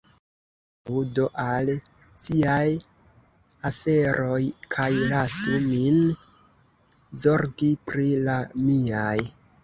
Reiru do al ciaj aferoj, kaj lasu min zorgi pri la miaj.